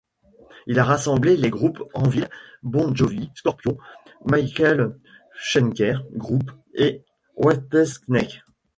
Il a rassemblé les groupes Anvil, Bon Jovi, Scorpions, Michael Schenker Group et Whitesnake.